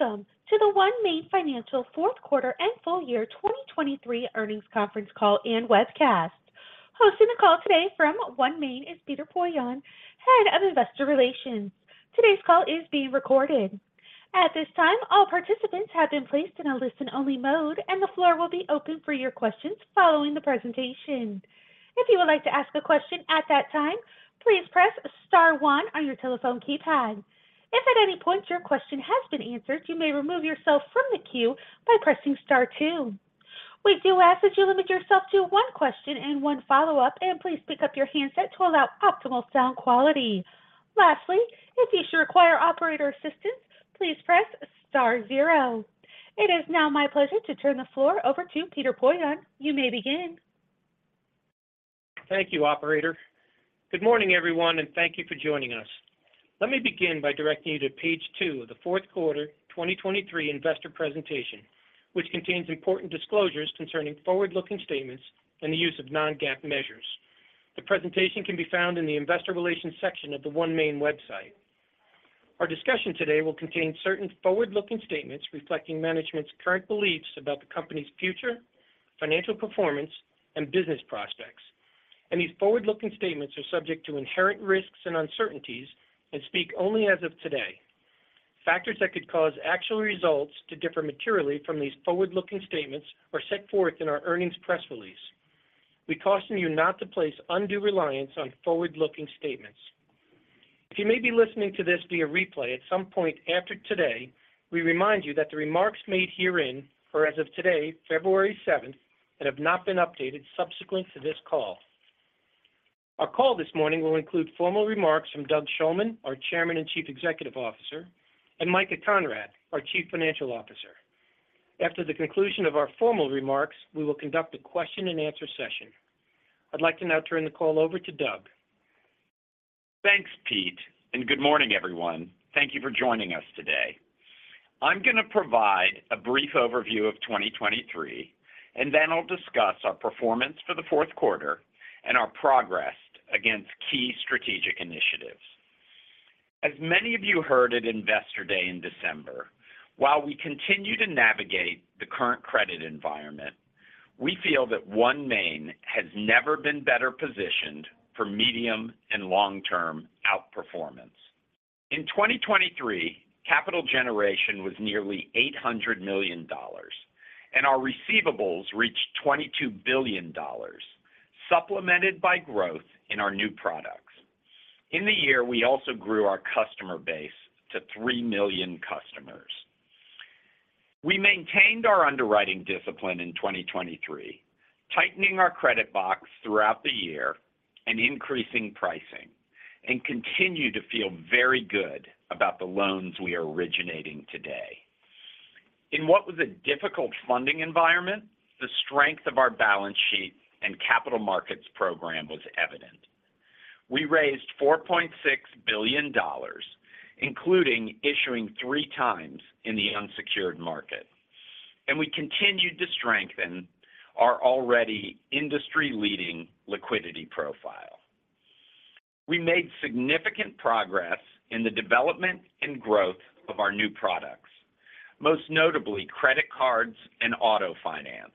Welcome to the OneMain Financial fourth quarter and full year 2023 earnings conference call and webcast. Hosting the call today from OneMain is Peter Poillon, Head of Investor Relations. Today's call is being recorded. At this time, all participants have been placed in a listen-only mode, and the floor will be open for your questions following the presentation. If you would like to ask a question at that time, please press star one on your telephone keypad. If at any point your question has been answered, you may remove yourself from the queue by pressing star two. We do ask that you limit yourself to one question and one follow-up, and please pick up your handset to allow optimal sound quality. Lastly, if you should require operator assistance, please press star zero. It is now my pleasure to turn the floor over to Peter Poillon. You may begin. Thank you, operator. Good morning, everyone, and thank you for joining us. Let me begin by directing you to page two of the fourth quarter 2023 investor presentation, which contains important disclosures concerning forward-looking statements and the use of non-GAAP measures. The presentation can be found in the Investor Relations section of the OneMain website. Our discussion today will contain certain forward-looking statements reflecting management's current beliefs about the company's future, financial performance, and business prospects. These forward-looking statements are subject to inherent risks and uncertainties and speak only as of today. Factors that could cause actual results to differ materially from these forward-looking statements are set forth in our earnings press release. We caution you not to place undue reliance on forward-looking statements. If you may be listening to this via replay at some point after today, we remind you that the remarks made herein are as of today, February seventh, and have not been updated subsequent to this call. Our call this morning will include formal remarks from Doug Shulman, our Chairman and Chief Executive Officer, and Micah Conrad, our Chief Financial Officer. After the conclusion of our formal remarks, we will conduct a question-and-answer session. I'd like to now turn the call over to Doug. Thanks, Pete, and good morning, everyone. Thank you for joining us today. I'm going to provide a brief overview of 2023 and then I'll discuss our performance for the fourth quarter and our progress against key strategic initiatives. As many of you heard at Investor Day in December, while we continue to navigate the current credit environment, we feel that OneMain has never been better positioned for medium and long-term outperformance. In 2023, capital generation was nearly $800 million, and our receivables reached $22 billion, supplemented by growth in our new products. In the year, we also grew our customer base to 3 million customers. We maintained our underwriting discipline in 2023, tightening our credit box throughout the year and increasing pricing, and continue to feel very good about the loans we are originating today. In what was a difficult funding environment, the strength of our balance sheet and capital markets program was evident. We raised $4.6 billion, including issuing three times in the unsecured market, and we continued to strengthen our already industry-leading liquidity profile. We made significant progress in the development and growth of our new products, most notably credit cards and auto finance,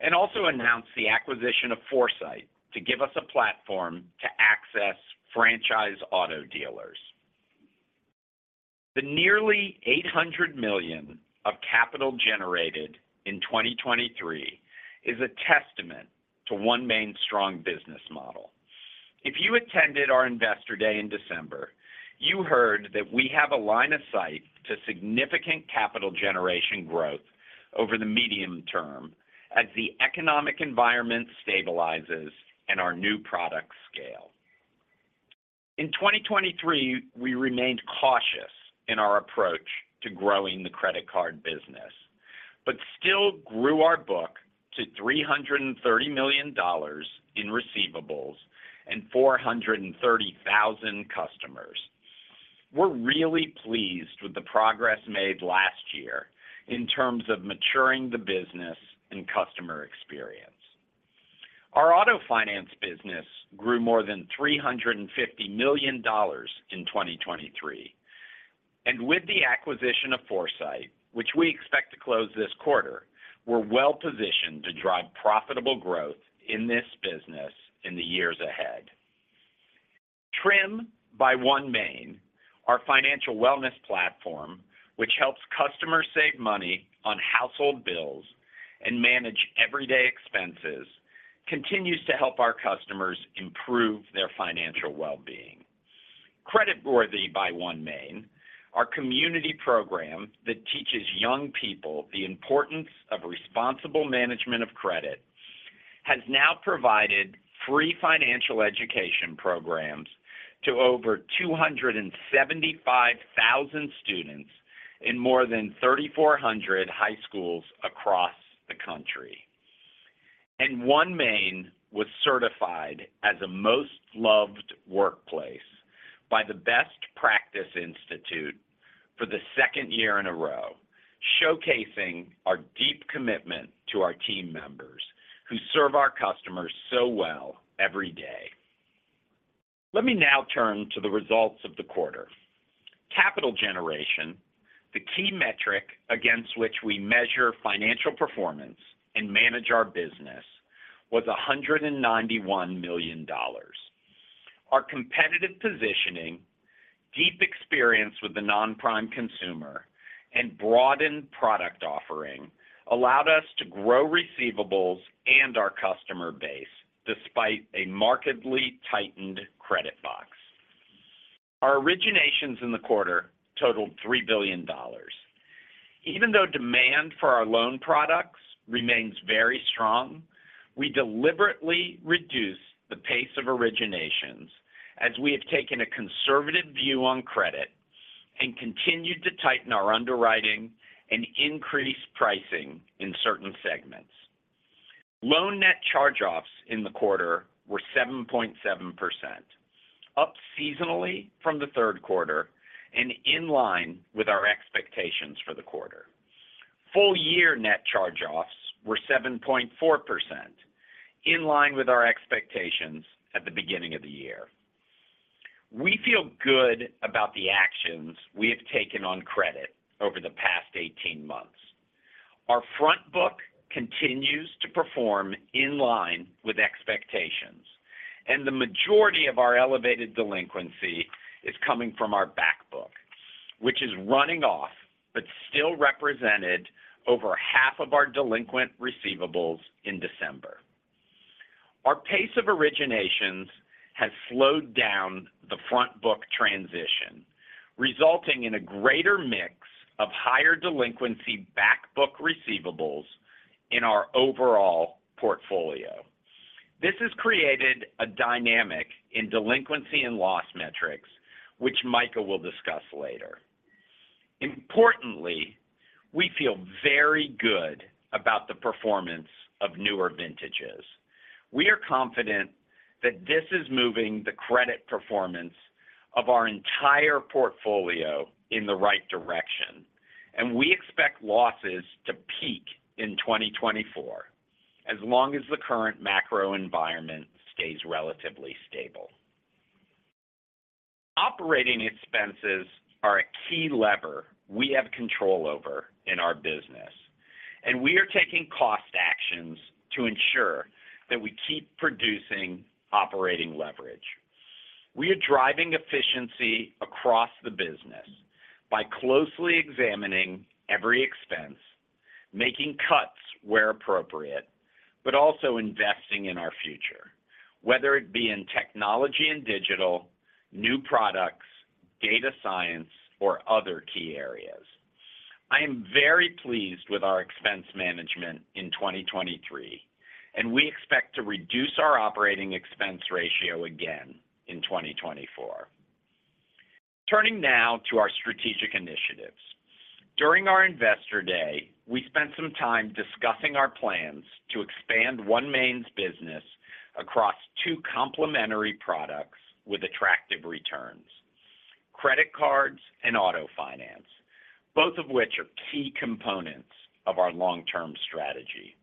and also announced the acquisition of Foursight to give us a platform to access franchise auto dealers. The nearly $800 million of capital generated in 2023 is a testament to OneMain's strong business model. If you attended our Investor Day in December, you heard that we have a line of sight to significant capital generation growth over the medium term as the economic environment stabilizes and our new products scale. In 2023, we remained cautious in our approach to growing the credit card business, but still grew our book to $330 million in receivables and 430,000 customers. We're really pleased with the progress made last year in terms of maturing the business and customer experience. Our auto finance business grew more than $350 million in 2023, and with the acquisition of Foursight, which we expect to close this quarter, we're well positioned to drive profitable growth in this business in the years ahead. Trim by OneMain, our financial wellness platform, which helps customers save money on household bills and manage everyday expenses, continues to help our customers improve their financial well-being. Credit Worthy by OneMain, our community program that teaches young people the importance of responsible management of credit, has now provided free financial education programs to over 275,000 students in more than 3,400 high schools across the country. OneMain was certified as a Most Loved Workplace by the Best Practice Institute for the second year in a row, showcasing our deep commitment to our team members who serve our customers so well every day. Let me now turn to the results of the quarter. Capital generation, the key metric against which we measure financial performance and manage our business, was $191 million. Our competitive positioning, deep experience with the nonprime consumer, and broadened product offering allowed us to grow receivables and our customer base despite a markedly tightened credit box. Our originations in the quarter totaled $3 billion. Even though demand for our loan products remains very strong, we deliberately reduced the pace of originations as we have taken a conservative view on credit and continued to tighten our underwriting and increase pricing in certain segments. Loan net charge-offs in the quarter were 7.7%, up seasonally from the third quarter and in line with our expectations for the quarter. Full-year net charge-offs were 7.4%, in line with our expectations at the beginning of the year. We feel good about the actions we have taken on credit over the past 18 months. Our front book continues to perform in line with expectations, and the majority of our elevated delinquency is coming from our back book, which is running off but still represented over half of our delinquent receivables in December. Our pace of originations has slowed down the front-book transition, resulting in a greater mix of higher-delinquency back-book receivables in our overall portfolio. This has created a dynamic in delinquency and loss metrics, which Micah will discuss later. Importantly, we feel very good about the performance of newer vintages. We are confident that this is moving the credit performance of our entire portfolio in the right direction, and we expect losses to peak in 2024, as long as the current macro environment stays relatively stable. Operating expenses are a key lever we have control over in our business, and we are taking cost actions to ensure that we keep producing operating leverage. We are driving efficiency across the business by closely examining every expense, making cuts where appropriate, but also investing in our future, whether it be in technology and digital, new products, data science, or other key areas. I am very pleased with our expense management in 2023, and we expect to reduce our operating expense ratio again in 2024. Turning now to our strategic initiatives. During our investor day, we spent some time discussing our plans to expand OneMain's business across two complementary products with attractive returns: credit cards and auto finance, both of which are key components of our long-term strategy.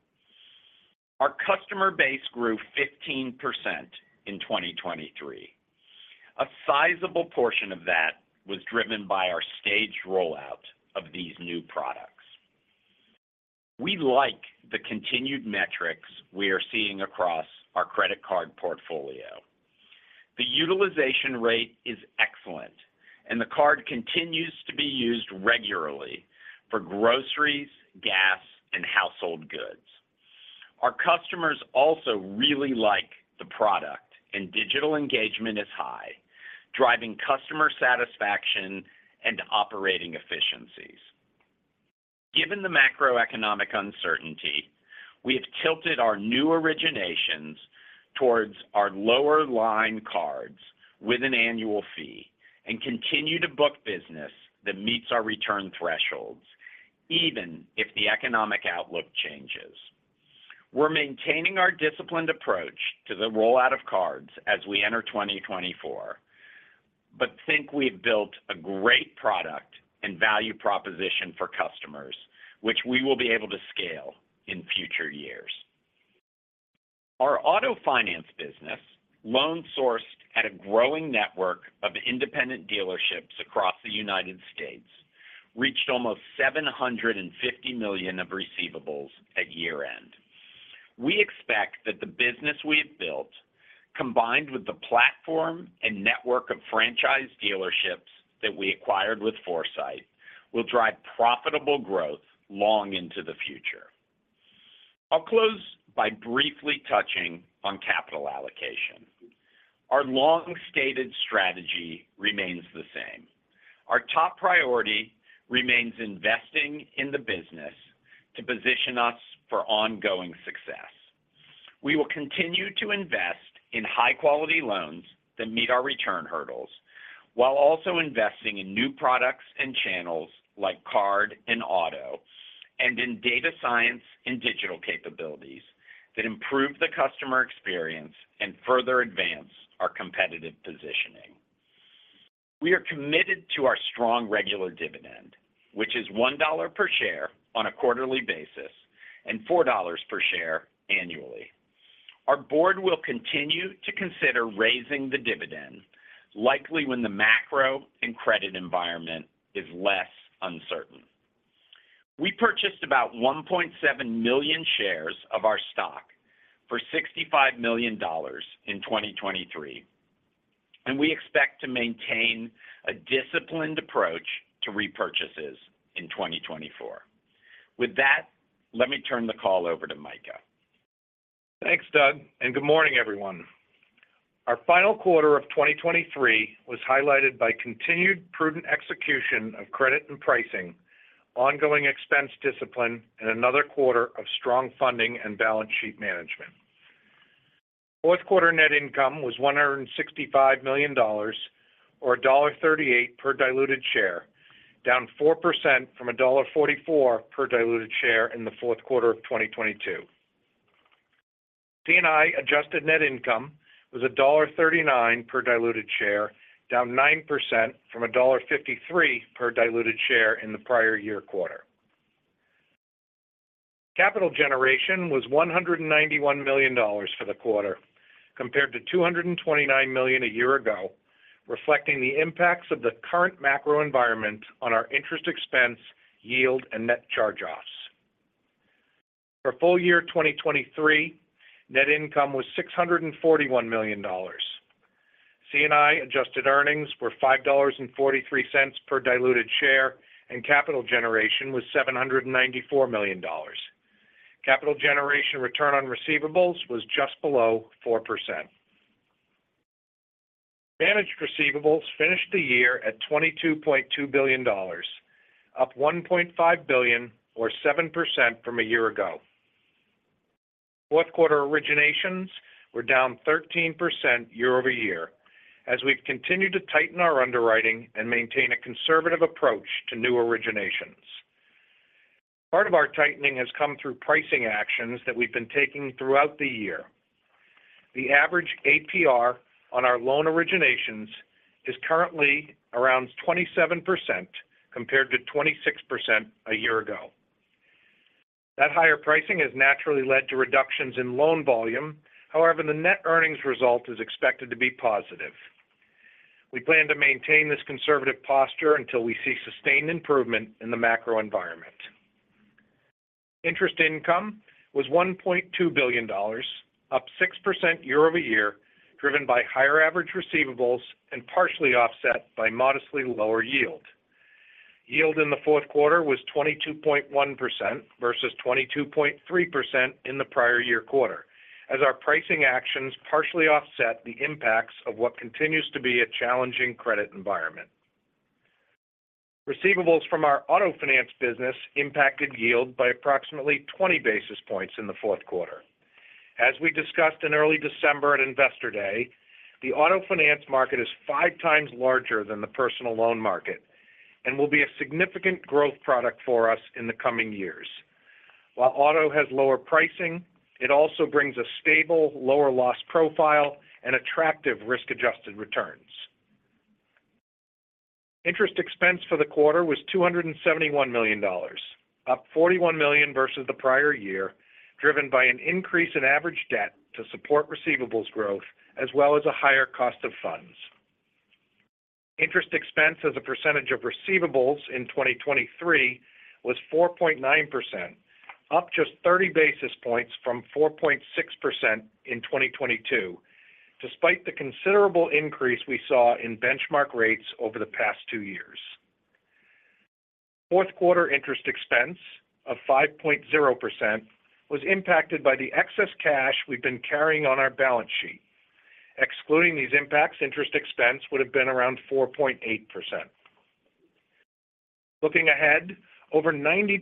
Our customer base grew 15% in 2023. A sizable portion of that was driven by our staged rollout of these new products. We like the continued metrics we are seeing across our credit card portfolio. The utilization rate is excellent, and the card continues to be used regularly for groceries, gas, and household goods. Our customers also really like the product, and digital engagement is high, driving customer satisfaction and operating efficiencies. Given the macroeconomic uncertainty, we have tilted our new originations towards our lower-line cards with an annual fee and continue to book business that meets our return thresholds, even if the economic outlook changes. We're maintaining our disciplined approach to the rollout of cards as we enter 2024, but think we've built a great product and value proposition for customers, which we will be able to scale in future years. Our auto finance business, loan-sourced at a growing network of independent dealerships across the United States, reached almost $750 million of receivables at year-end. We expect that the business we have built, combined with the platform and network of franchise dealerships that we acquired with Foursight, will drive profitable growth long into the future. I'll close by briefly touching on capital allocation. Our long-stated strategy remains the same. Our top priority remains investing in the business to position us for ongoing success. We will continue to invest in high-quality loans that meet our return hurdles, while also investing in new products and channels like card and auto, and in data science and digital capabilities that improve the customer experience and further advance our competitive positioning. We are committed to our strong regular dividend, which is $1 per share on a quarterly basis and $4 per share annually. Our board will continue to consider raising the dividend, likely when the macro and credit environment is less uncertain. We purchased about 1.7 million shares of our stock for $65 million in 2023, and we expect to maintain a disciplined approach to repurchases in 2024. With that, let me turn the call over to Micah. Thanks, Doug, and good morning, everyone. Our final quarter of 2023 was highlighted by continued prudent execution of credit and pricing, ongoing expense discipline, and another quarter of strong funding and balance sheet management. Fourth quarter net income was $165 million, or $1.38 per diluted share, down 4% from $1.44 per diluted share in the fourth quarter of 2022. C&I adjusted net income was $1.39 per diluted share, down 9% from $1.53 per diluted share in the prior year quarter. Capital generation was $191 million for the quarter, compared to $229 million a year ago, reflecting the impacts of the current macro environment on our interest expense, yield, and net charge-offs. For full year 2023, net income was $641 million. C&I adjusted earnings were $5.43 per diluted share, and capital generation was $794 million. Capital generation return on receivables was just below 4%. Managed receivables finished the year at $22.2 billion, up $1.5 billion or 7% from a year ago. Fourth quarter originations were down 13% year-over-year, as we've continued to tighten our underwriting and maintain a conservative approach to new originations. Part of our tightening has come through pricing actions that we've been taking throughout the year. The average APR on our loan originations is currently around 27%, compared to 26% a year ago. That higher pricing has naturally led to reductions in loan volume. However, the net earnings result is expected to be positive. We plan to maintain this conservative posture until we see sustained improvement in the macro environment. Interest income was $1.2 billion, up 6% year over year, driven by higher average receivables and partially offset by modestly lower yield. Yield in the fourth quarter was 22.1% versus 22.3% in the prior year quarter, as our pricing actions partially offset the impacts of what continues to be a challenging credit environment. Receivables from our auto finance business impacted yield by approximately 20 basis points in the fourth quarter. As we discussed in early December at Investor Day, the auto finance market is 5 times larger than the personal loan market and will be a significant growth product for us in the coming years. While auto has lower pricing, it also brings a stable, lower-loss profile and attractive risk-adjusted returns. Interest expense for the quarter was $271 million, up $41 million versus the prior year, driven by an increase in average debt to support receivables growth, as well as a higher cost of funds. Interest expense as a percentage of receivables in 2023 was 4.9%, up just 30 basis points from 4.6% in 2022, despite the considerable increase we saw in benchmark rates over the past two years. Fourth quarter interest expense of 5.0% was impacted by the excess cash we've been carrying on our balance sheet. Excluding these impacts, interest expense would have been around 4.8%. Looking ahead, over 90%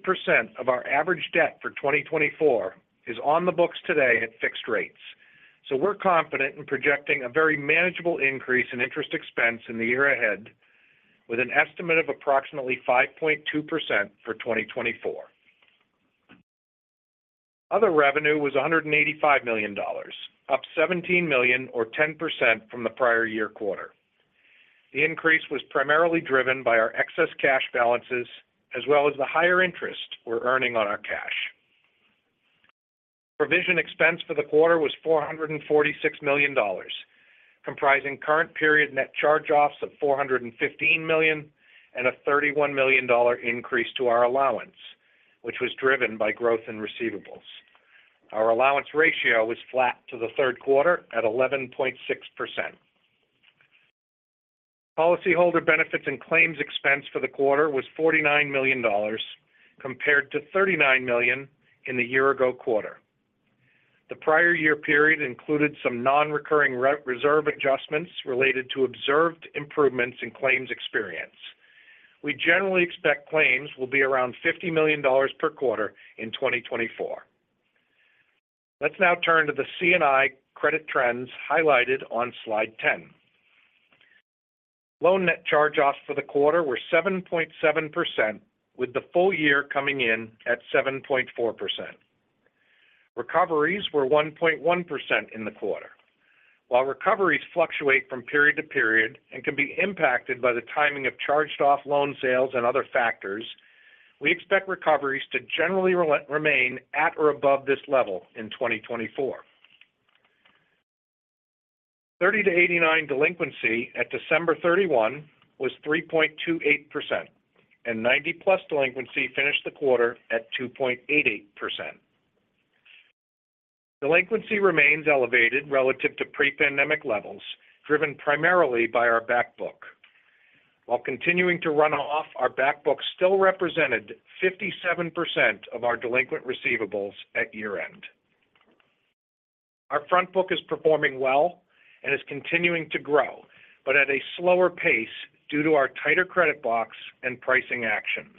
of our average debt for 2024 is on the books today at fixed rates. So we're confident in projecting a very manageable increase in interest expense in the year ahead, with an estimate of approximately 5.2% for 2024. Other revenue was $185 million, up $17 million or 10% from the prior year quarter. The increase was primarily driven by our excess cash balances, as well as the higher interest we're earning on our cash. Provision expense for the quarter was $446 million, comprising current period net charge-offs of $415 million and a $31 million dollar increase to our allowance, which was driven by growth in receivables. Our allowance ratio was flat to the third quarter at 11.6%. Policyholder benefits and claims expense for the quarter was $49 million, compared to $39 million in the year-ago quarter. The prior year period included some non-recurring re-reserve adjustments related to observed improvements in claims experience. We generally expect claims will be around $50 million per quarter in 2024. Let's now turn to the C&I credit trends highlighted on slide 10. Loan net charge-offs for the quarter were 7.7%, with the full year coming in at 7.4%. Recoveries were 1.1% in the quarter. While recoveries fluctuate from period to period and can be impacted by the timing of charged-off loan sales and other factors, we expect recoveries to generally remain at or above this level in 2024. 30-89 delinquency at December 31 was 3.28%, and 90+ delinquency finished the quarter at 2.88%. Delinquency remains elevated relative to pre-pandemic levels, driven primarily by our back book. While continuing to run off, our back book still represented 57% of our delinquent receivables at year-end. Our front book is performing well and is continuing to grow, but at a slower pace due to our tighter credit box and pricing actions.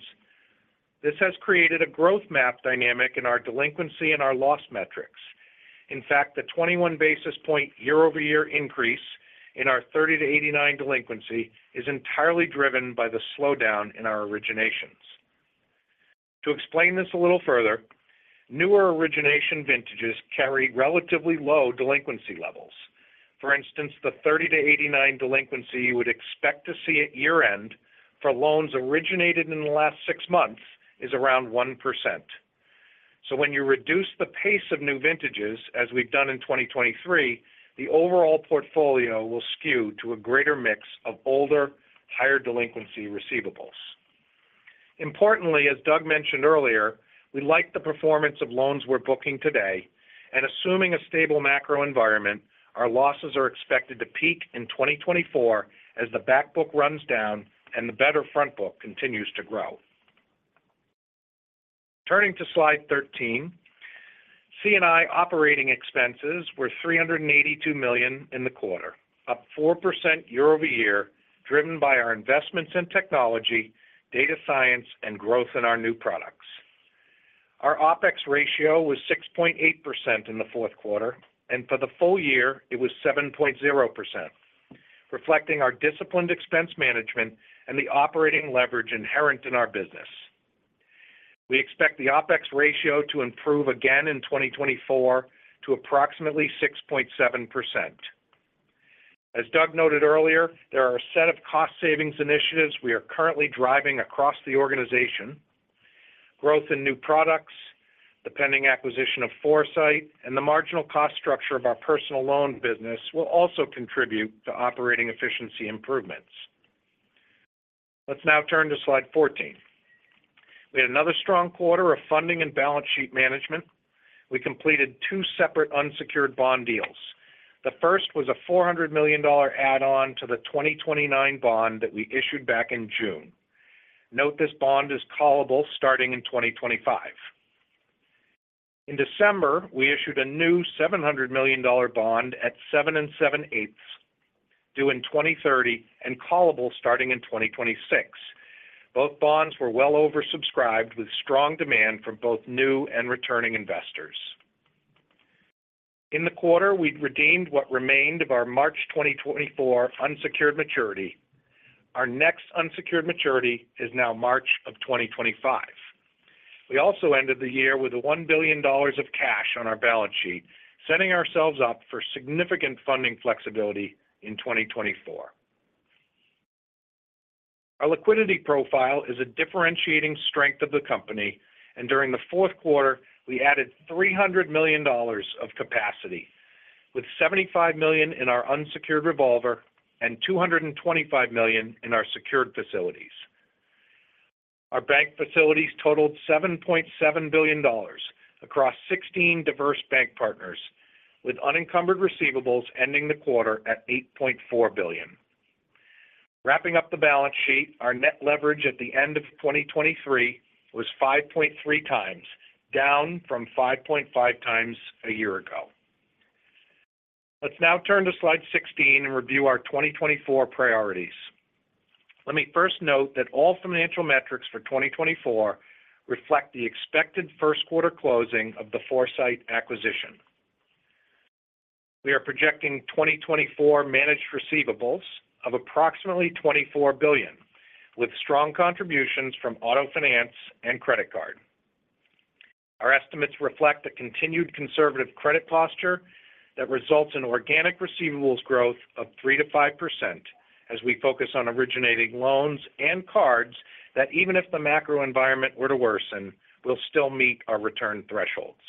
This has created a growth math dynamic in our delinquency and our loss metrics. In fact, the 21 basis point year-over-year increase in our 30-89 delinquency is entirely driven by the slowdown in our originations. To explain this a little further, newer origination vintages carry relatively low delinquency levels. For instance, the 30-89 delinquency you would expect to see at year-end for loans originated in the last six months is around 1%. So when you reduce the pace of new vintages, as we've done in 2023, the overall portfolio will skew to a greater mix of older, higher delinquency receivables. Importantly, as Doug mentioned earlier, we like the performance of loans we're booking today, and assuming a stable macro environment, our losses are expected to peak in 2024 as the back book runs down and the better front book continues to grow. Turning to slide 13, C&I operating expenses were $382 million in the quarter, up 4% year-over-year, driven by our investments in technology, data science, and growth in our new products. Our OpEx ratio was 6.8% in the fourth quarter, and for the full year it was 7.0%, reflecting our disciplined expense management and the operating leverage inherent in our business. We expect the OpEx ratio to improve again in 2024 to approximately 6.7%. As Doug noted earlier, there are a set of cost savings initiatives we are currently driving across the organization. Growth in new products, the pending acquisition of Foursight, and the marginal cost structure of our personal loan business will also contribute to operating efficiency improvements. Let's now turn to Slide 14. We had another strong quarter of funding and balance sheet management. We completed two separate unsecured bond deals. The first was a $400 million add-on to the 2029 bond that we issued back in June. Note this bond is callable starting in 2025. In December, we issued a new $700 million bond at 7 7/8%, due in 2030 and callable starting in 2026. Both bonds were well oversubscribed, with strong demand from both new and returning investors. In the quarter, we redeemed what remained of our March 2024 unsecured maturity. Our next unsecured maturity is now March 2025. We also ended the year with $1 billion of cash on our balance sheet, setting ourselves up for significant funding flexibility in 2024. Our liquidity profile is a differentiating strength of the company, and during the fourth quarter, we added $300 million of capacity, with $75 million in our unsecured revolver and $225 million in our secured facilities. Our bank facilities totaled $7.7 billion across 16 diverse bank partners, with unencumbered receivables ending the quarter at $8.4 billion. Wrapping up the balance sheet, our net leverage at the end of 2023 was 5.3x, down from 5.5x a year ago. Let's now turn to slide 16 and review our 2024 priorities. Let me first note that all financial metrics for 2024 reflect the expected first quarter closing of the Foursight acquisition. We are projecting 2024 managed receivables of approximately $24 billion, with strong contributions from auto finance and credit card. Our estimates reflect a continued conservative credit posture that results in organic receivables growth of 3%-5% as we focus on originating loans and cards that even if the macro environment were to worsen, will still meet our return thresholds.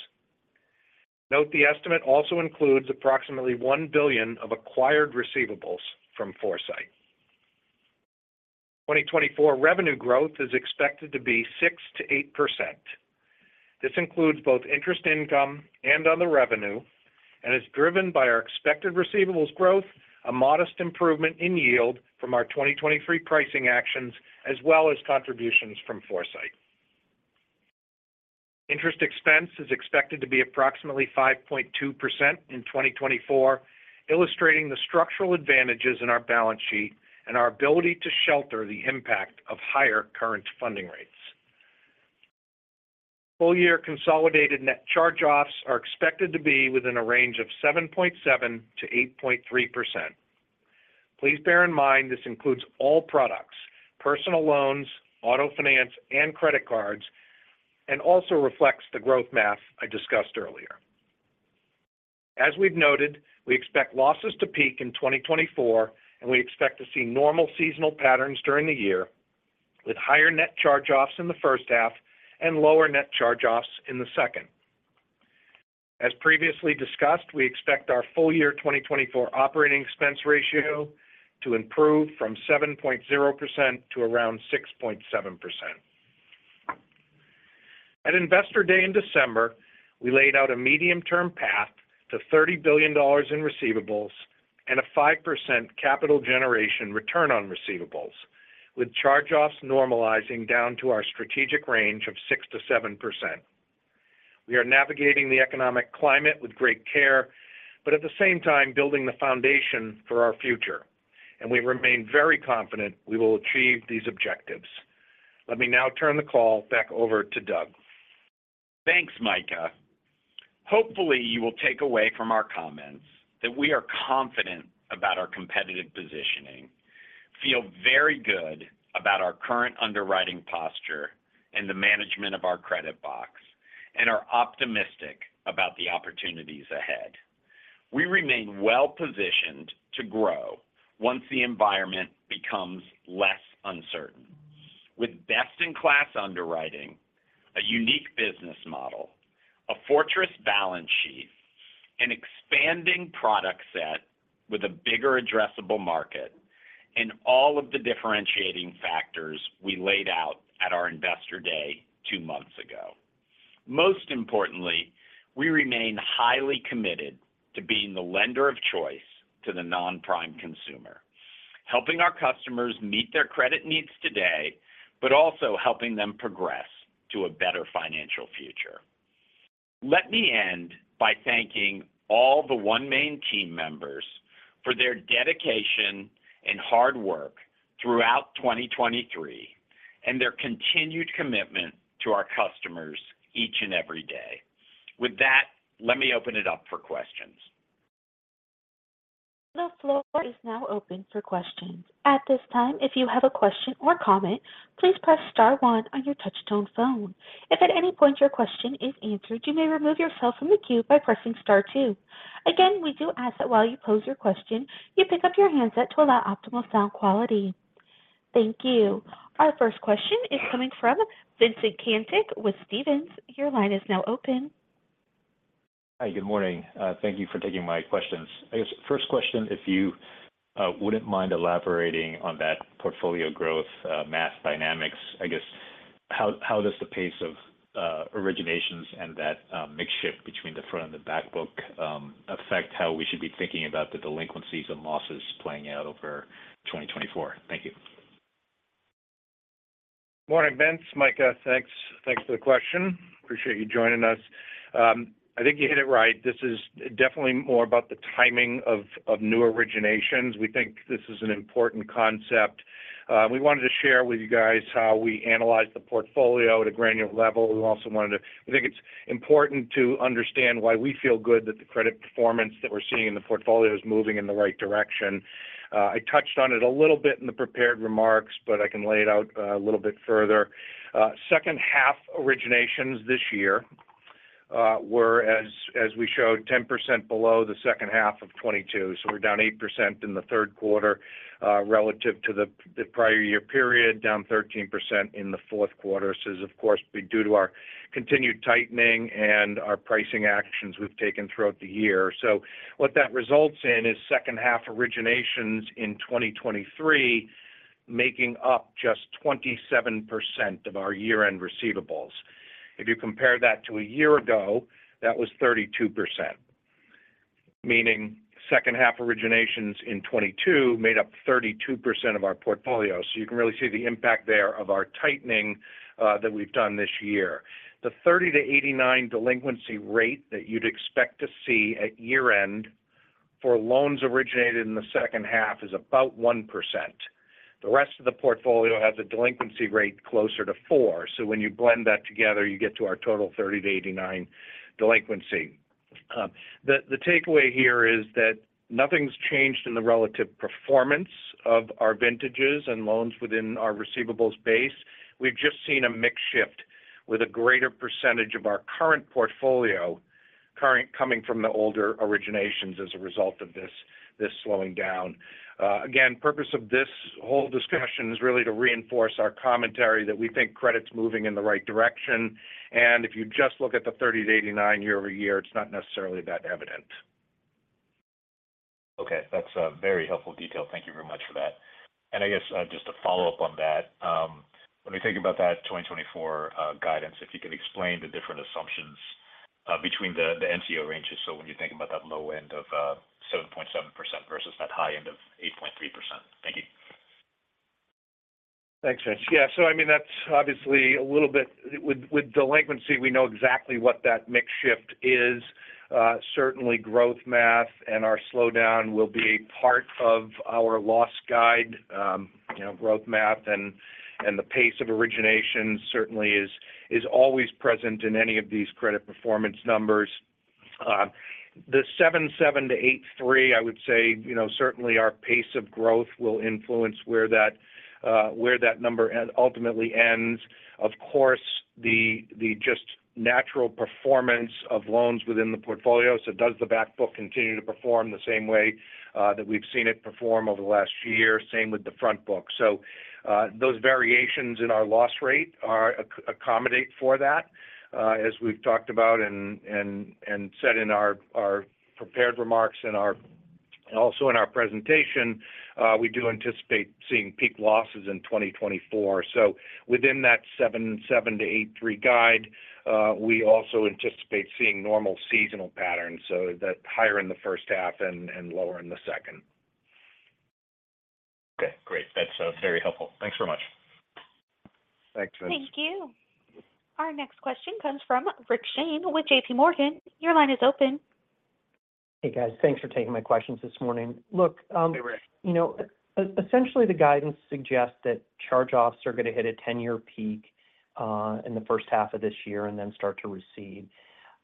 Note the estimate also includes approximately $1 billion of acquired receivables from Foursight. 2024 revenue growth is expected to be 6%-8%. This includes both interest income and other revenue and is driven by our expected receivables growth, a modest improvement in yield from our 2023 pricing actions, as well as contributions from Foursight. Interest expense is expected to be approximately 5.2% in 2024, illustrating the structural advantages in our balance sheet and our ability to shelter the impact of higher current funding rates. Full-year consolidated net charge-offs are expected to be within a range of 7.7%-8.3%. Please bear in mind, this includes all products, personal loans, auto finance, and credit cards, and also reflects the growth math I discussed earlier. As we've noted, we expect losses to peak in 2024, and we expect to see normal seasonal patterns during the year, with higher net charge-offs in the first half and lower net charge-offs in the second. As previously discussed, we expect our full year 2024 operating expense ratio to improve from 7.0% to around 6.7%. At Investor Day in December, we laid out a medium-term path to $30 billion in receivables and a 5% capital generation return on receivables, with charge-offs normalizing down to our strategic range of 6%-7%. We are navigating the economic climate with great care, but at the same time building the foundation for our future, and we remain very confident we will achieve these objectives. Let me now turn the call back over to Doug. Thanks, Micah. Hopefully, you will take away from our comments that we are confident about our competitive positioning, feel very good about our current underwriting posture and the management of our credit box, and are optimistic about the opportunities ahead. We remain well-positioned to grow once the environment becomes less uncertain. With best-in-class underwriting, a unique business model, a fortress balance sheet, an expanding product set with a bigger addressable market, and all of the differentiating factors we laid out at our Investor Day two months ago. Most importantly, we remain highly committed to being the lender of choice to the non-prime consumer, helping our customers meet their credit needs today, but also helping them progress to a better financial future. Let me end by thanking all the OneMain team members for their dedication and hard work throughout 2023, and their continued commitment to our customers each and every day. With that, let me open it up for questions. The floor is now open for questions. At this time, if you have a question or comment, please press star one on your touchtone phone. If at any point your question is answered, you may remove yourself from the queue by pressing star two. Again, we do ask that while you pose your question, you pick up your handset to allow optimal sound quality. Thank you. Our first question is coming from Vincent Caintic with Stephens. Your line is now open. Hi, good morning. Thank you for taking my questions. I guess, first question, if you wouldn't mind elaborating on that portfolio growth math dynamics. I guess, how does the pace of originations and that mix shift between the front and the back book affect how we should be thinking about the delinquencies and losses playing out over 2024? Thank you. Morning, Vince. It's Micah. Thanks, thanks for the question. Appreciate you joining us. I think you hit it right. This is definitely more about the timing of new originations. We think this is an important concept. We wanted to share with you guys how we analyze the portfolio at a granular level. We also wanted to. We think it's important to understand why we feel good that the credit performance that we're seeing in the portfolio is moving in the right direction. I touched on it a little bit in the prepared remarks, but I can lay it out a little bit further. Second half originations this year were, as we showed, 10% below the second half of 2022. We're down 8% in the third quarter relative to the prior year period, down 13% in the fourth quarter. This is, of course, due to our continued tightening and our pricing actions we've taken throughout the year. What that results in is second half originations in 2023 making up just 27% of our year-end receivables. If you compare that to a year ago, that was 32%, meaning second half originations in 2022 made up 32% of our portfolio. You can really see the impact there of our tightening that we've done this year. The 30-89 delinquency rate that you'd expect to see at year-end for loans originated in the second half is about 1%. The rest of the portfolio has a delinquency rate closer to 4%. So when you blend that together, you get to our total 30-89 delinquency. The takeaway here is that nothing's changed in the relative performance of our vintages and loans within our receivables base. We've just seen a mix shift with a greater percentage of our current portfolio coming from the older originations as a result of this slowing down. Again, purpose of this whole discussion is really to reinforce our commentary that we think credit's moving in the right direction, and if you just look at the 30-89 year-over-year, it's not necessarily that evident. Okay, that's a very helpful detail. Thank you very much for that. And I guess, just to follow up on that, when we think about that 2024, guidance, if you could explain the different assumptions, between the, the NCO ranges. So when you think about that low end of, 7.7% versus that high end of 8.3%. Thank you. Thanks, Vince. Yeah, so I mean, that's obviously a little bit - with, with delinquency, we know exactly what that mix shift is. Certainly, growth math and our slowdown will be a part of our loss guide. You know, growth math and the pace of origination certainly is always present in any of these credit performance numbers. The 7.7%-8.3%, I would say, you know, certainly our pace of growth will influence where that, where that number and ultimately ends. Of course, the just natural performance of loans within the portfolio. So does the back book continue to perform the same way that we've seen it perform over the last year? Same with the front book. So, those variations in our loss rate are account for that, as we've talked about and said in our prepared remarks and also in our presentation, we do anticipate seeing peak losses in 2024. So within that 7.7%-8.3% guide, we also anticipate seeing normal seasonal patterns, so that higher in the first half and lower in the second. Okay, great. That's very helpful. Thanks very much. Thanks, Vince. Thank you. Our next question comes from Rick Shane with JPMorgan. Your line is open. Hey, guys. Thanks for taking my questions this morning. Hey, Rick. You know, essentially, the guidance suggests that charge-offs are going to hit a 10-year peak in the first half of this year and then start to recede.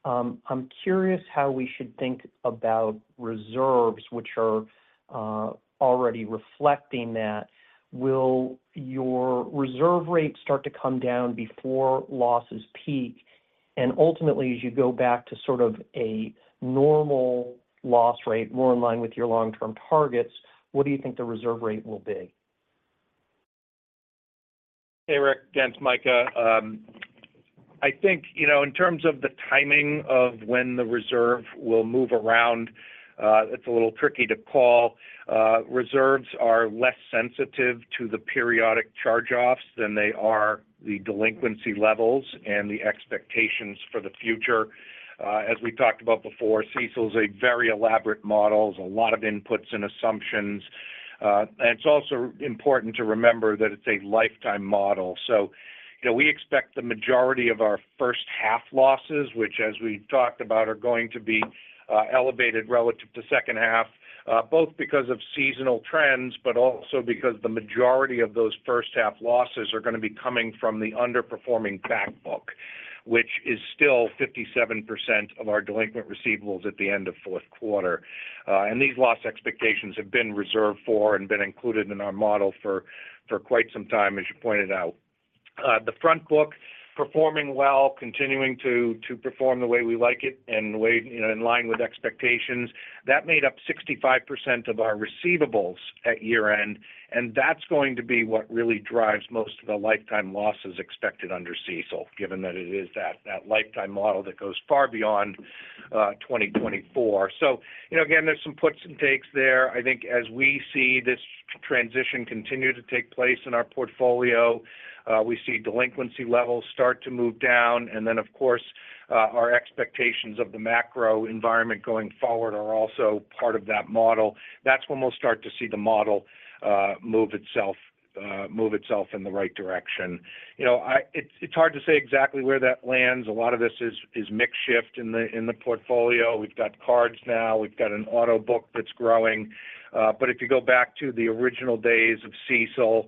I'm curious how we should think about reserves, which are already reflecting that. Will your reserve rate start to come down before losses peak? And ultimately, as you go back to sort of a normal loss rate, more in line with your long-term targets, what do you think the reserve rate will be? Hey, Rick. Again, it's Micah. I think, you know, in terms of the timing of when the reserve will move around, it's a little tricky to call. Reserves are less sensitive to the periodic charge-offs than they are the delinquency levels and the expectations for the future. As we talked about before, CECL is a very elaborate model, a lot of inputs and assumptions. And it's also important to remember that it's a lifetime model. So, you know, we expect the majority of our first half losses, which, as we talked about, are going to be elevated relative to second half, both because of seasonal trends, but also because the majority of those first half losses are going to be coming from the underperforming back book, which is still 57% of our delinquent receivables at the end of fourth quarter. And these loss expectations have been reserved for and been included in our model for quite some time, as you pointed out. The front book, performing well, continuing to perform the way we like it and the way, you know, in line with expectations. That made up 65% of our receivables at year-end, and that's going to be what really drives most of the lifetime losses expected under CECL, given that it is that lifetime model that goes far beyond 2024. So, you know, again, there's some puts and takes there. I think as we see this transition continue to take place in our portfolio, we see delinquency levels start to move down, and then, of course, our expectations of the macro environment going forward are also part of that model. That's when we'll start to see the model move itself in the right direction. You know, it's, it's hard to say exactly where that lands. A lot of this is mix shift in the portfolio. We've got cards now, we've got an auto book that's growing. But if you go back to the original days of CECL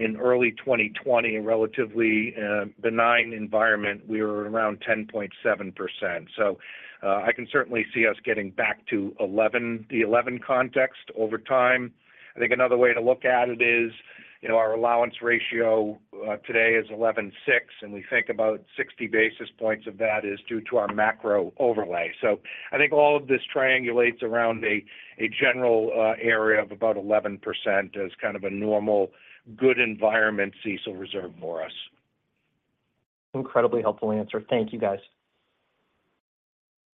in early 2020, a relatively benign environment, we were around 10.7%. So, I can certainly see us getting back to 11, the 11 context over time. I think another way to look at it is, you know, our allowance ratio today is 11.6, and we think about 60 basis points of that is due to our macro overlay. So I think all of this triangulates around a general area of about 11% as kind of a normal, good environment CECL reserve for us. Incredibly helpful answer. Thank you, guys.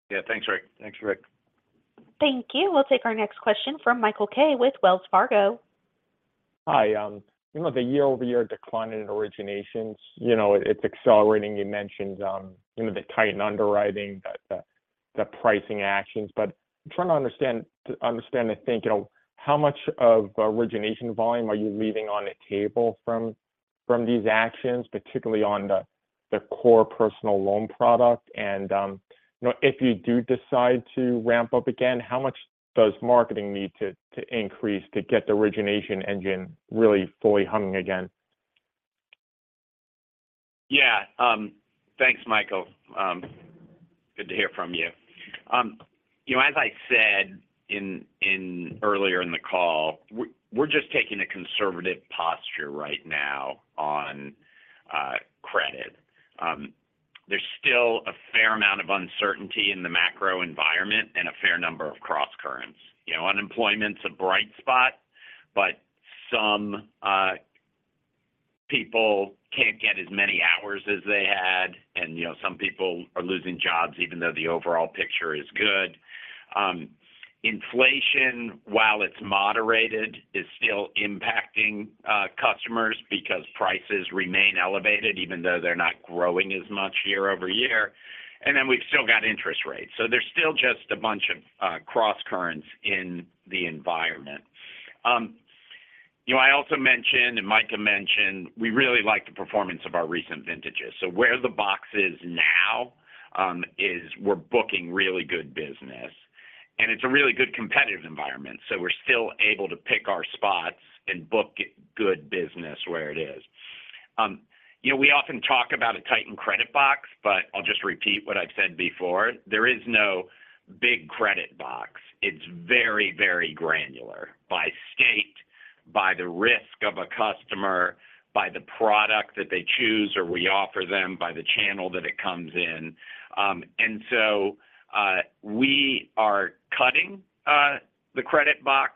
Yeah. Thanks, Rick. Thanks, Rick. Thank you. We'll take our next question from Michael Kaye with Wells Fargo. Hi. You know, the year-over-year decline in originations, you know, it's accelerating. You mentioned, you know, the tight underwriting, the pricing actions, but I'm trying to understand and think, you know, how much of origination volume are you leaving on the table from these actions, particularly on the core personal loan product? And, you know, if you do decide to ramp up again, how much does marketing need to increase to get the origination engine really fully humming again? Yeah. Thanks, Michael. Good to hear from you. You know, as I said earlier in the call, we're just taking a conservative posture right now on credit. There's still a fair amount of uncertainty in the macro environment and a fair number of crosscurrents. You know, unemployment's a bright spot, but some people can't get as many hours as they had, and, you know, some people are losing jobs, even though the overall picture is good. Inflation, while it's moderated, is still impacting customers because prices remain elevated, even though they're not growing as much year over year. And then we've still got interest rates. So there's still just a bunch of crosscurrents in the environment. You know, I also mentioned, and Micah mentioned, we really like the performance of our recent vintages. So where the box is now, is we're booking really good business, and it's a really good competitive environment, so we're still able to pick our spots and book good business where it is. You know, we often talk about a tightened credit box, but I'll just repeat what I've said before. There is no big credit box. It's very, very granular by state, by the risk of a customer, by the product that they choose, or we offer them, by the channel that it comes in. And so, we are cutting the credit box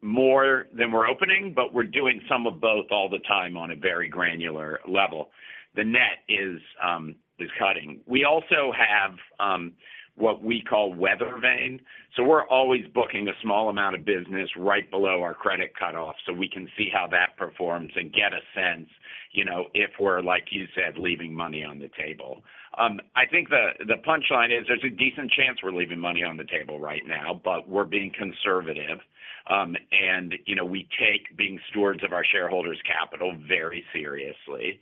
more than we're opening, but we're doing some of both all the time on a very granular level. The net is cutting. We also have what we call Weather Vane. So we're always booking a small amount of business right below our credit cutoff, so we can see how that performs and get a sense, you know, if we're, like you said, leaving money on the table. I think the punchline is there's a decent chance we're leaving money on the table right now, but we're being conservative. You know, we take being stewards of our shareholders' capital very seriously.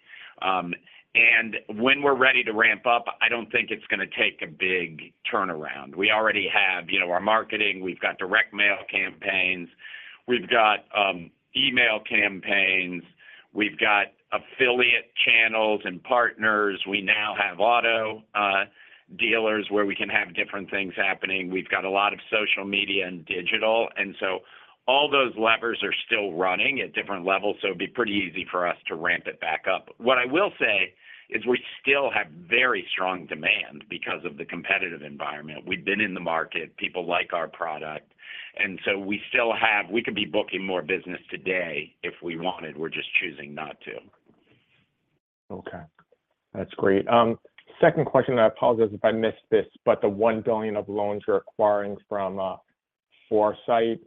When we're ready to ramp up, I don't think it's gonna take a big turnaround. We already have, you know, our marketing. We've got direct mail campaigns. We've got email campaigns. We've got affiliate channels and partners. We now have auto dealers where we can have different things happening. We've got a lot of social media and digital, and so all those levers are still running at different levels, so it'd be pretty easy for us to ramp it back up. What I will say is we still have very strong demand because of the competitive environment. We've been in the market. People like our product, and so we still have, we could be booking more business today if we wanted. We're just choosing not to. Okay, that's great. Second question, and I apologize if I missed this, but the $1 billion of loans you're acquiring from, Foursight.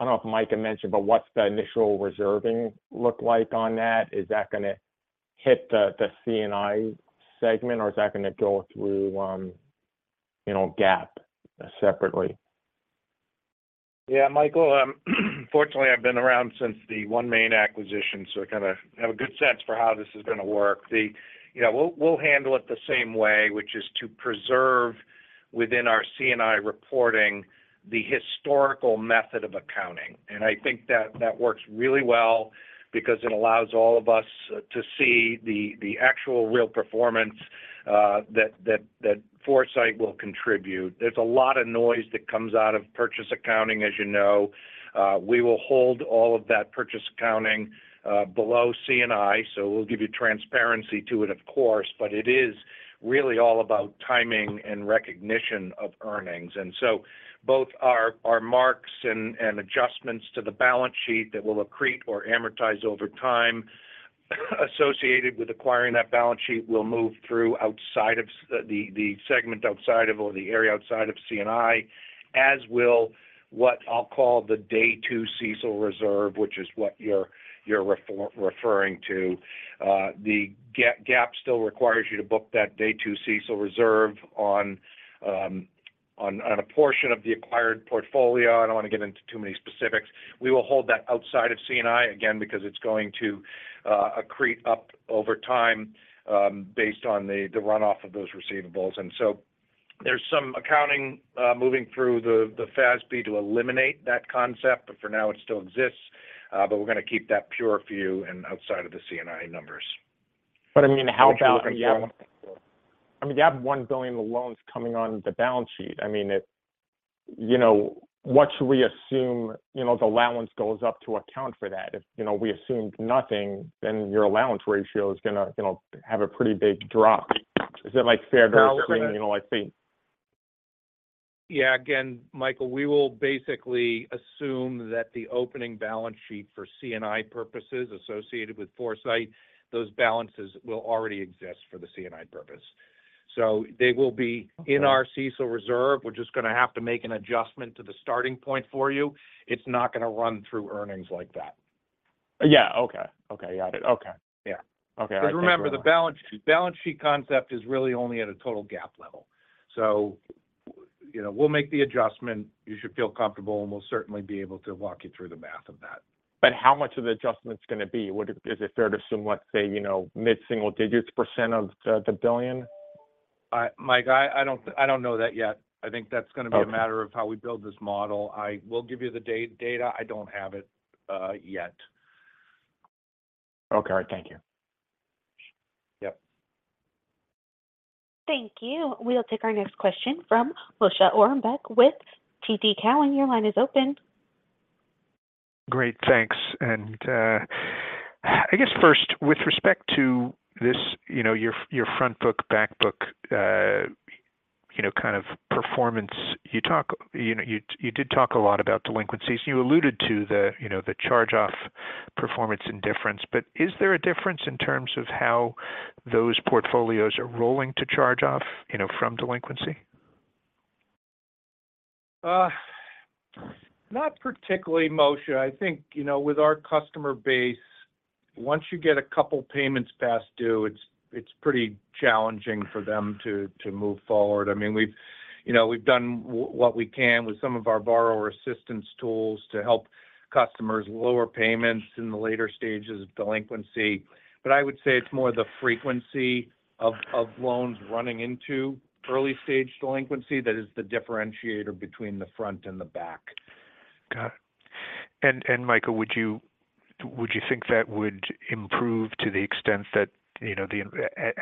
I don't know if Micah mentioned, but what's the initial reserving look like on that? Is that gonna hit the, the C&I segment, or is that gonna go through, you know, GAAP separately? Yeah, Michael, fortunately, I've been around since the OneMain acquisition, so I kind of have a good sense for how this is gonna work. You know, we'll handle it the same way, which is to preserve within our C&I reporting the historical method of accounting. I think that that works really well because it allows all of us to see the actual real performance that Foursight will contribute. There's a lot of noise that comes out of purchase accounting, as you know. We will hold all of that purchase accounting below C&I. So we'll give you transparency to it, of course, but it is really all about timing and recognition of earnings. And so both our marks and adjustments to the balance sheet that will accrete or amortize over time, associated with acquiring that balance sheet, will move through outside of the segment or the area outside of C&I, as will what I'll call the day two CECL reserve, which is what you're referring to. The GAAP still requires you to book that day two CECL reserve on a portion of the acquired portfolio. I don't want to get into too many specifics. We will hold that outside of C&I, again, because it's going to accrete up over time, based on the runoff of those receivables. And so there's some accounting moving through the FASB to eliminate that concept, but for now it still exists. But we're gonna keep that pure for you and outside of the C&I numbers. But, I mean, how about - Which we can control. I mean, you have $1 billion of loans coming on the balance sheet. I mean, it - you know, what should we assume, you know, the allowance goes up to account for that? If, you know, we assume nothing, then your allowance ratio is gonna, you know, have a pretty big drop. Is that, like, fair or, you know I think - Yeah. Again, Michael, we will basically assume that the opening balance sheet for C&I purposes associated with Foursight, those balances will already exist for the C&I purpose. So they will be in our CECL reserve. We're just gonna have to make an adjustment to the starting point for you. It's not gonna run through earnings like that. Yeah, okay. Okay, got it. Okay. Yeah. 'Cause remember, the balance, balance sheet concept is really only at a total GAAP level. So, you know, we'll make the adjustment. You should feel comfortable, and we'll certainly be able to walk you through the math of that. But how much of the adjustment is gonna be? Is it fair to assume, let's say, you know, mid-single digits % of the $1 billion? Mike, I don't know that yet. I think that's gonna be a matter of how we build this model. I will give you the data. I don't have it yet. Okay. All right, thank you. Yep. Thank you. We'll take our next question from Moshe Orenbuch with TD Cowen. Your line is open. Great, thanks. And, I guess first, with respect to this, you know, your front book, back book, you know, kind of performance, you talk. You know, you did talk a lot about delinquencies. You alluded to the, you know, the charge-off performance indifference. But is there a difference in terms of how those portfolios are rolling to charge off, you know, from delinquency? Not particularly, Moshe. I think, you know, with our customer base, once you get a couple payments past due, it's pretty challenging for them to move forward. I mean, we've, you know, we've done what we can with some of our borrower assistance tools to help customers lower payments in the later stages of delinquency. But I would say it's more the frequency of loans running into early-stage delinquency that is the differentiator between the front and the back. Got it. And Micah, would you think that would improve to the extent that, you know,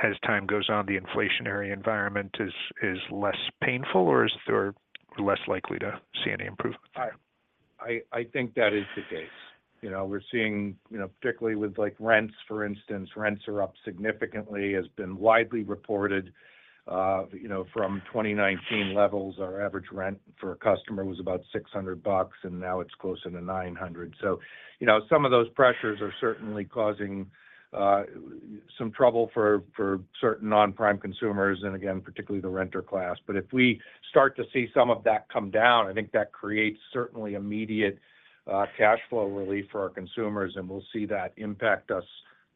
as time goes on, the inflationary environment is less painful, or is there less likely to see any improvement? I think that is the case. You know, we're seeing, you know, particularly with like rents, for instance, rents are up significantly, has been widely reported, you know, from 2019 levels. Our average rent for a customer was about $600, and now it's closer to $900. So, you know, some of those pressures are certainly causing some trouble for certain non-prime consumers and again, particularly the renter class. But if we start to see some of that come down, I think that creates certainly immediate cash flow relief for our consumers, and we'll see that impact us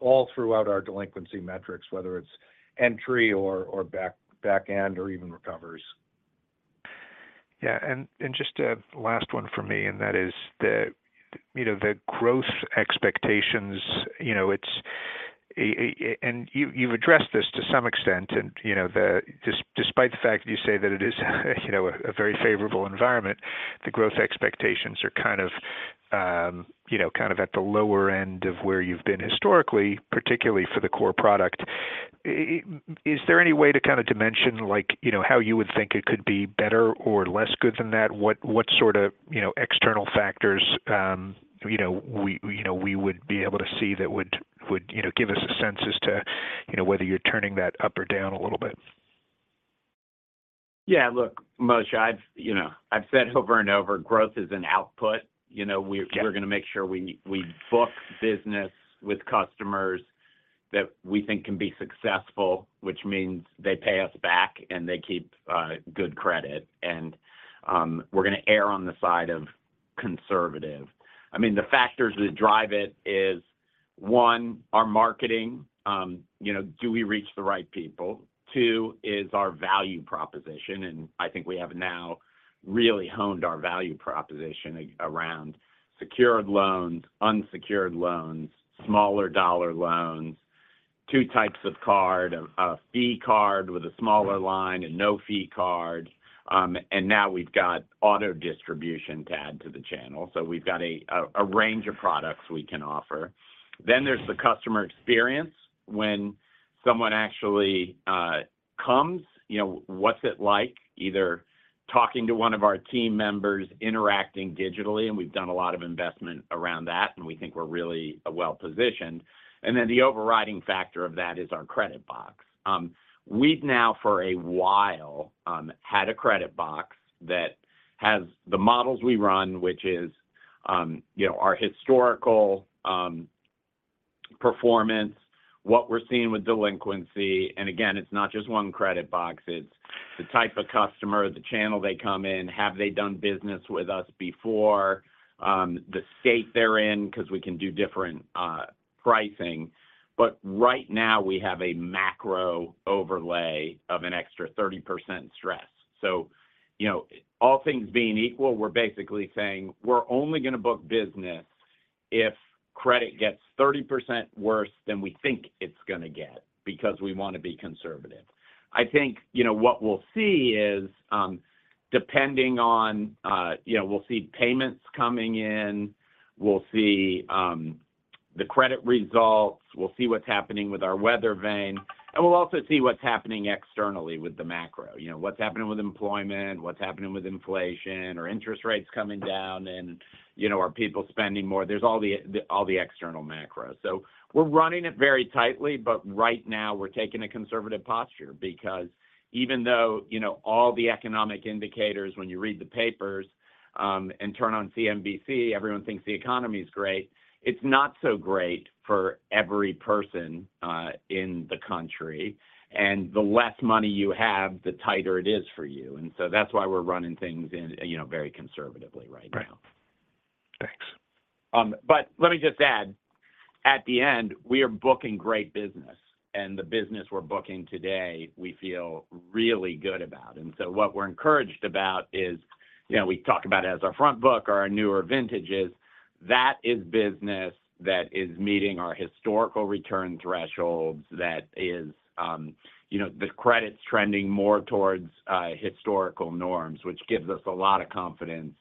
all throughout our delinquency metrics. Whether it's entry or back end or even recovers. Yeah, and just a last one for me, and that is the, you know, the growth expectations, you know, it's an, and you've addressed this to some extent, and, you know, the - despite the fact that you say that it is, you know, a very favorable environment, the growth expectations are kind of, you know, kind of at the lower end of where you've been historically, particularly for the core product. Is there any way to kind of dimension, like, you know, how you would think it could be better or less good than that? What sort of, you know, external factors, you know, we would be able to see that would, would, you know, give us a sense as to, you know, whether you're turning that up or down a little bit? Yeah, look, Moshe, I've, you know, I've said over and over, growth is an output. You know we're gonna make sure we book business with customers that we think can be successful, which means they pay us back, and they keep good credit. And we're gonna err on the side of conservative. I mean, the factors that drive it is, one, our marketing. You know, do we reach the right people? Two, is our value proposition, and I think we have now really honed our value proposition around secured loans, unsecured loans, smaller dollar loans, two types of card, a fee card with a smaller line and no fee card. And now we've got auto distribution to add to the channel. So we've got a range of products we can offer. Then there's the customer experience. When someone actually comes, you know, what's it like either talking to one of our team members, interacting digitally, and we've done a lot of investment around that, and we think we're really well-positioned. And then the overriding factor of that is our credit box. We've now, for a while, had a credit box that has the models we run, which is, you know, our historical performance, what we're seeing with delinquency. And again, it's not just one credit box, it's the type of customer, the channel they come in. Have they done business with us before? The state they're in, because we can do different pricing. But right now, we have a macro overlay of an extra 30% stress. So, you know, all things being equal, we're basically saying: We're only gonna book business if credit gets 30% worse than we think it's gonna get, because we want to be conservative. I think, you know, what we'll see is, depending on, you know, we'll see payments coming in, we'll see the credit results, we'll see what's happening with our Weather Vane, and we'll also see what's happening externally with the macro. You know, what's happening with employment, what's happening with inflation or interest rates coming down, and, you know, are people spending more? There's all the, the, all the external macro. So we're running it very tightly, but right now, we're taking a conservative posture because even though, you know, all the economic indicators, when you read the papers, and turn on CNBC, everyone thinks the economy is great. It's not so great for every person, in the country, and the less money you have, the tighter it is for you. And so that's why we're running things in, you know, very conservatively right now. Right. Thanks. But let me just add, at the end, we are booking great business, and the business we're booking today, we feel really good about. And so what we're encouraged about is, you know, we talk about it as our Front Book or our newer vintages. That is business that is meeting our historical return thresholds, that is, you know, the credit's trending more towards historical norms, which gives us a lot of confidence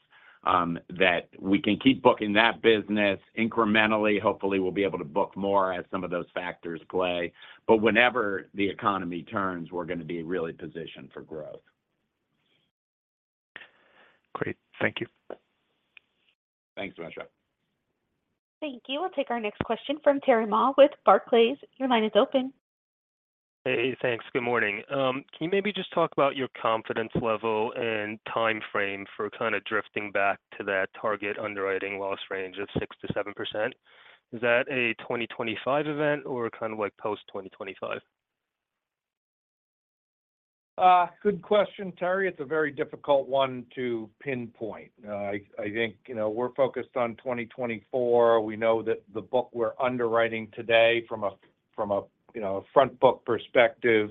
that we can keep booking that business incrementally. Hopefully, we'll be able to book more as some of those factors play. But whenever the economy turns, we're gonna be really positioned for growth. Great. Thank you. Thanks, Moshe. Thank you. We'll take our next question from Terry Ma with Barclays. Your line is open. Hey, thanks. Good morning. Can you maybe just talk about your confidence level and timeframe for kind of drifting back to that target underwriting loss range of 6%-7%? Is that a 2025 event or kind of like post-2025? Good question, Terry. It's a very difficult one to pinpoint. I think, you know, we're focused on 2024. We know that the book we're underwriting today from a from a, you know, front book perspective,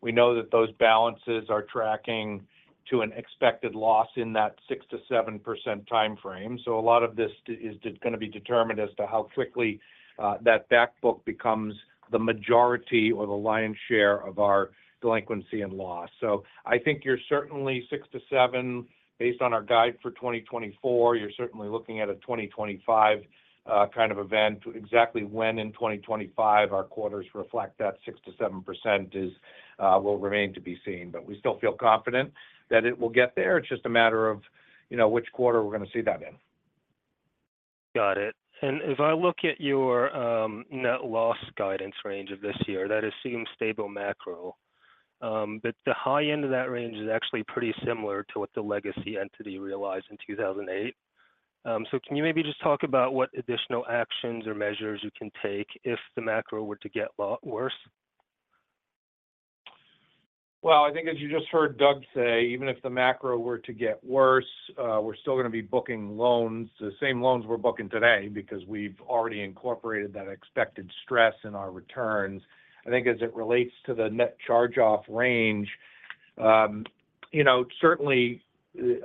we know that those balances are tracking to an expected loss in that 6%-7% timeframe. So a lot of this is going to be determined as to how quickly that back book becomes the majority or the lion's share of our delinquency and loss. So I think you're certainly 6%-7%, based on our guide for 2024. You're certainly looking at a 2025, kind of event. Exactly when in 2025 our quarters reflect that 6%-7% is will remain to be seen. But we still feel confident that it will get there. It's just a matter of, you know, which quarter we're going to see that in. Got it. And if I look at your, net loss guidance range of this year, that it seems stable macro. But the high end of that range is actually pretty similar to what the legacy entity realized in 2008. So can you maybe just talk about what additional actions or measures you can take if the macro were to get a lot worse? Well, I think as you just heard Doug say, even if the macro were to get worse, we're still going to be booking loans, the same loans we're booking today, because we've already incorporated that expected stress in our returns. I think as it relates to the net charge-off range, you know, certainly,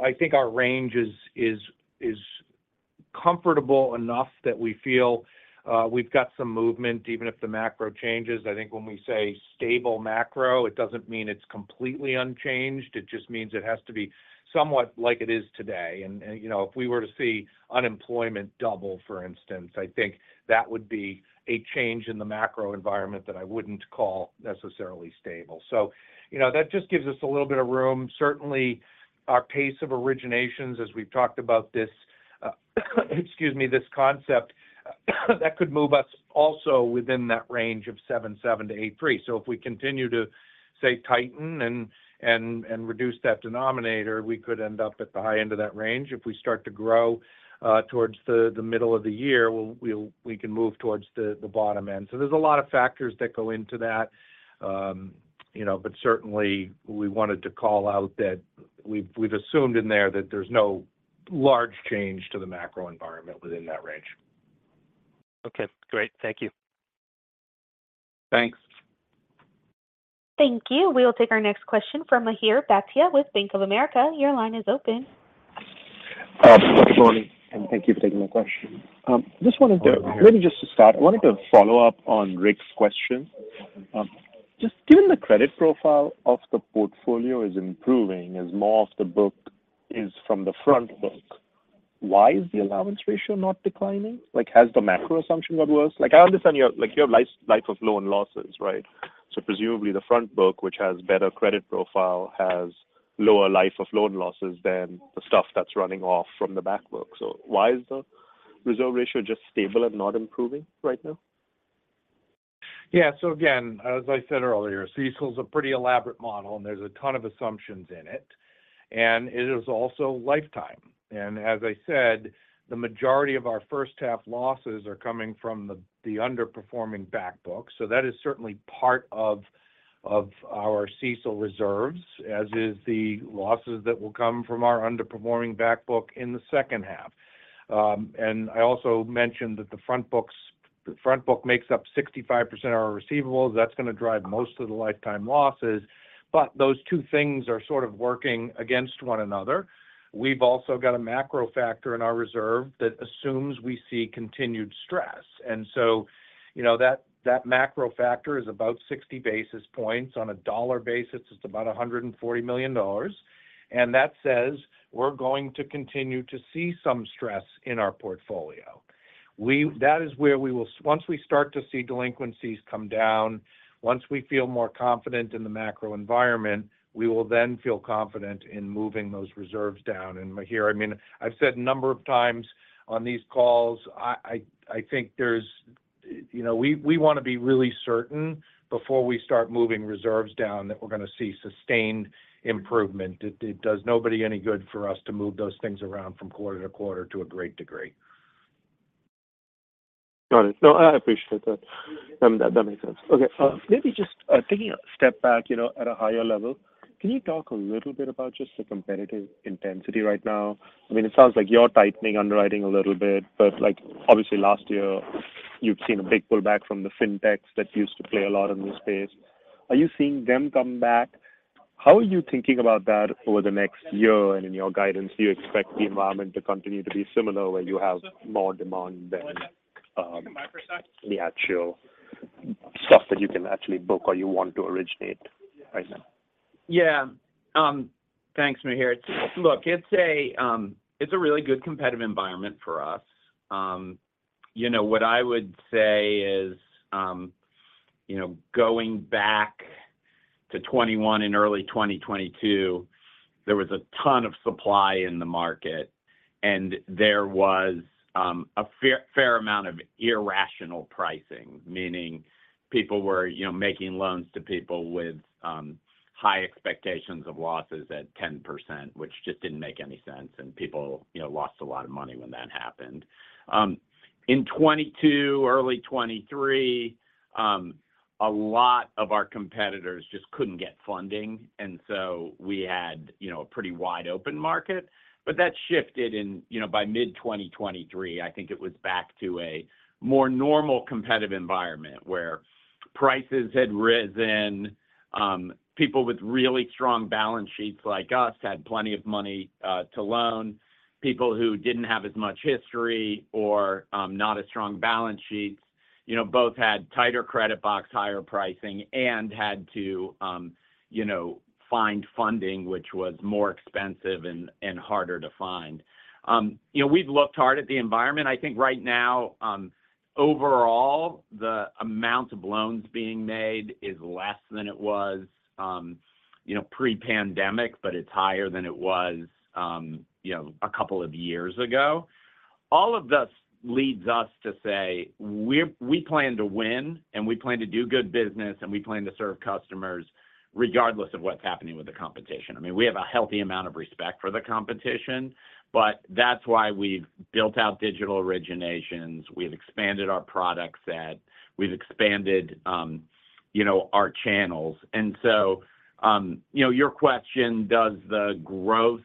I think our range is comfortable enough that we feel we've got some movement, even if the macro changes. I think when we say stable macro, it doesn't mean it's completely unchanged. It just means it has to be somewhat like it is today. And, you know, if we were to see unemployment double, for instance, I think that would be a change in the macro environment that I wouldn't call necessarily stable. So, you know, that just gives us a little bit of room. Certainly, our pace of originations, as we've talked about this, excuse me, this concept, that could move us also within that range of 7.7%-8.3%. So if we continue to, say, tighten and reduce that denominator, we could end up at the high end of that range. If we start to grow towards the middle of the year, we can move towards the bottom end. So there's a lot of factors that go into that. You know, but certainly we wanted to call out that we've assumed in there that there's no large change to the macro environment within that range. Okay, great. Thank you. Thanks. Thank you. We'll take our next question from Mihir Bhatia with Bank of America. Your line is open. Good morning, and thank you for taking my question. Just wanted to maybe just to start, I wanted to follow up on Rick's question. Just given the credit profile of the portfolio is improving as more of the book is from the front book, why is the allowance ratio not declining? Like, has the macro assumption got worse? Like, I understand your, like, your life, life of loan losses, right? So presumably the front book, which has better credit profile, has lower life of loan losses than the stuff that's running off from the back book. So why is the reserve ratio just stable and not improving right now? Yeah. So again, as I said earlier, CECL is a pretty elaborate model, and there's a ton of assumptions in it, and it is also lifetime. And as I said, the majority of our first-half losses are coming from the underperforming Back Book. So that is certainly part of our CECL reserves, as is the losses that will come from our underperforming Back Book in the second half. And I also mentioned that the front books - the front book makes up 65% of our receivables. That's going to drive most of the lifetime losses, but those two things are sort of working against one another. We've also got a macro factor in our reserve that assumes we see continued stress. And so you know, that macro factor is about 60 basis points. On a dollar basis, it's about $140 million, and that says we're going to continue to see some stress in our portfolio. That is where we will once we start to see delinquencies come down, once we feel more confident in the macro environment, we will then feel confident in moving those reserves down. And Mihir, I mean, I've said a number of times on these calls, I think there's, you know... We want to be really certain before we start moving reserves down, that we're going to see sustained improvement. It does nobody any good for us to move those things around from quarter to quarter to a great degree. Got it. No, I appreciate that. That makes sense. Okay, maybe just taking a step back, you know, at a higher level, can you talk a little bit about just the competitive intensity right now? I mean, it sounds like you're tightening underwriting a little bit, but like, obviously last year, you've seen a big pullback from the fintechs that used to play a lot in this space. Are you seeing them come back? How are you thinking about that over the next year and in your guidance? Do you expect the environment to continue to be similar, where you have more demand than the actual stuff that you can actually book or you want to originate right now? Yeah. Thanks, Mihir. Look, it's a really good competitive environment for us. You know, what I would say is, you know, going back to 2021 and early 2022, there was a ton of supply in the market, and there was a fair, fair amount of irrational pricing. Meaning people were, you know, making loans to people with high expectations of losses at 10%, which just didn't make any sense, and people, you know, lost a lot of money when that happened. In 2022, early 2023, a lot of our competitors just couldn't get funding, and so we had, you know, a pretty wide-open market. But that shifted in, you know, by mid-2023, I think it was back to a more normal competitive environment where prices had risen. People with really strong balance sheets like us had plenty of money to loan. People who didn't have as much history or not as strong balance sheets, you know, both had tighter credit box, higher pricing, and had to, you know, find funding, which was more expensive and harder to find. You know, we've looked hard at the environment. I think right now, overall, the amount of loans being made is less than it was, you know, pre-pandemic, but it's higher than it was, you know, a couple of years ago. All of this leads us to say, we plan to win, and we plan to do good business, and we plan to serve customers regardless of what's happening with the competition. I mean, we have a healthy amount of respect for the competition, but that's why we've built out digital originations, we've expanded our product set, we've expanded, you know, our channels. And so, you know, your question, does the growth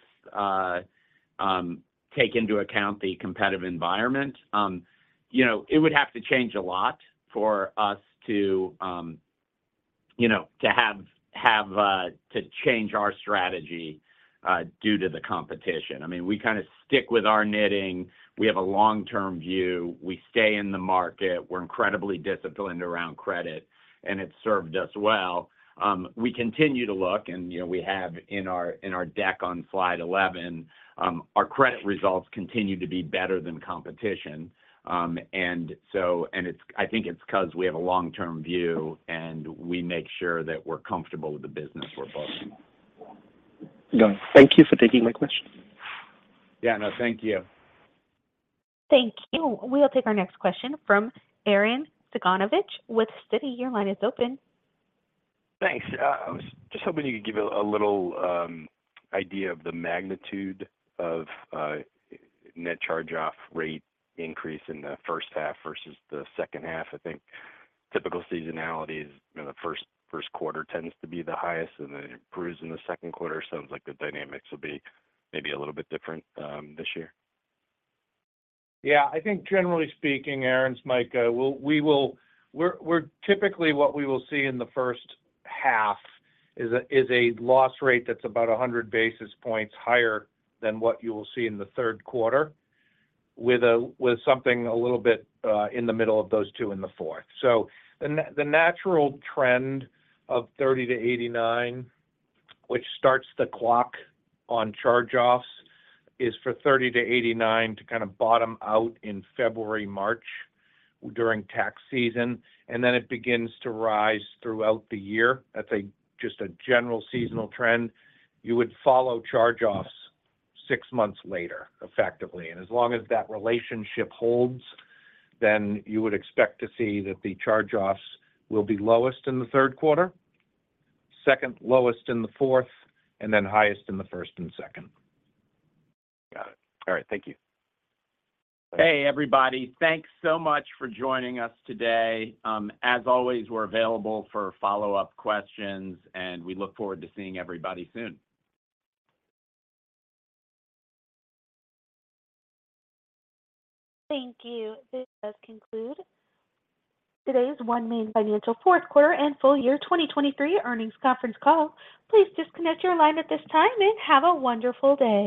take into account the competitive environment? You know, it would have to change a lot for us to, you know, to change our strategy due to the competition. I mean, we kind of stick with our knitting. We have a long-term view. We stay in the market. We're incredibly disciplined around credit, and it's served us well. We continue to look, and, you know, we have in our deck on slide 11, our credit results continue to be better than competition. I think it's 'cause we have a long-term view, and we make sure that we're comfortable with the business we're building. Yeah. Thank you for taking my question. Yeah, no, thank you. Thank you. We'll take our next question from Arren Cyganovich with Citi. Your line is open. Thanks. I was just hoping you could give a little idea of the magnitude of net charge-off rate increase in the first half versus the second half. I think typical seasonality is, you know, the first quarter tends to be the highest, and then it improves in the second quarter. Sounds like the dynamics will be maybe a little bit different this year. Yeah, I think generally speaking, Arren, it's Micah, we're typically what we will see in the first half is a loss rate that's about 100 basis points higher than what you will see in the third quarter, with something a little bit in the middle of those two in the fourth. So the natural trend of 30 to 89, which starts the clock on charge-offs, is for 30 to 89 to kind of bottom out in February, March, during tax season, and then it begins to rise throughout the year. That's just a general seasonal trend. You would follow charge-offs 6 months later, effectively, and as long as that relationship holds, then you would expect to see that the charge-offs will be lowest in the third quarter, second lowest in the fourth, and then highest in the first and second. Got it. All right, thank you. Hey, everybody. Thanks so much for joining us today. As always, we're available for follow-up questions, and we look forward to seeing everybody soon. Thank you. This does conclude today's OneMain Financial fourth quarter and full year 2023 earnings conference call. Please disconnect your line at this time, and have a wonderful day.